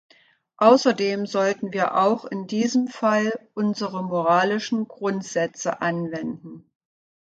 Außerdem sollten wir auch in diesem Fall unsere moralischen Grundsätze anwenden.